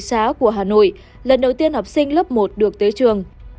xá của hà nội lần đầu tiên học sinh lớp một được tới trường